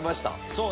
そう。